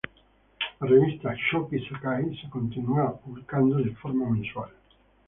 La revista "Shōgi Sekai" se continúa publicando de forma mensual.